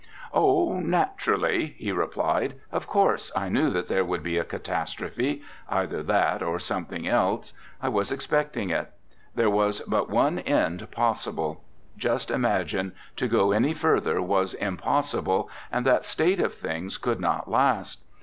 'Oh, naturally,' he replied, 'of course I knew that there would be a catastrophe, either that or something else; I was expecting it. There was but one end possible. Just imagine to go any further was impossible, and that state of things could not last.